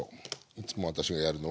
いつも私がやるのは。